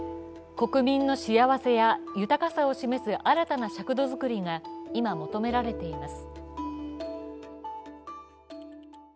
国民の幸せや豊かさを示す新たな尺度作りが今、求められています。